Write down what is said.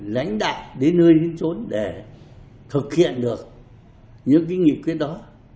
lãnh đại đến nơi hướng xuống để thực hiện được những cái nghị quyết đó